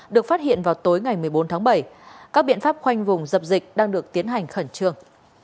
được phát hiện vào tối ngày một mươi bốn tháng bảy các biện pháp khoanh vùng dập dịch đang được tiến hành khẩn trương